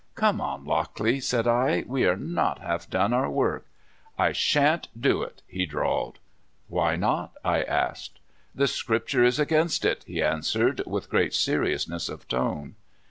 " Come on, Lockle3^" said I; '* we are not half done our work." " I shan't do it," he drawled. *' Why not?" I asked. '*The Scripture is against it," he answered with great seriousness of tone.